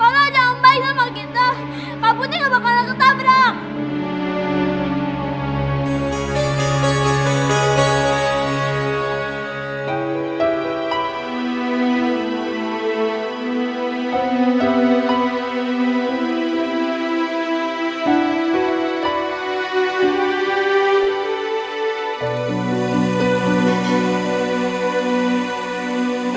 tadi benci sama buka renang